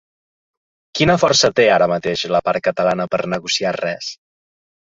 Quina força té, ara mateix, la part catalana per a negociar res?